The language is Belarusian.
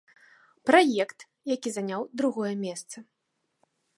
Праект, які заняў другое месца.